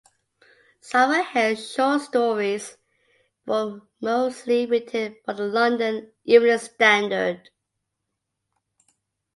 Cyril Hare's short stories were mostly written for the "London Evening Standard".